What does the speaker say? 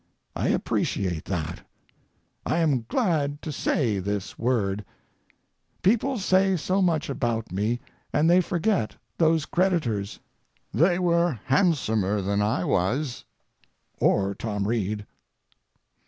I appreciate that; I am glad to say this word; people say so much about me, and they forget those creditors. They were handsomer than I was—or Tom Reed.